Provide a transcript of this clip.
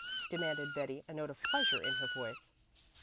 demanded Betty, a note of pleasure in her voice.